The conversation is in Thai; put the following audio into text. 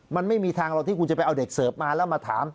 มันไม่มีทางหรอกที่คุณจะไปเอาเด็กเสิร์ฟมาแล้วมาถาม